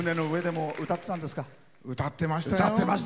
歌ってましたよ。